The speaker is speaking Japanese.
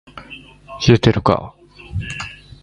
冷えてるか～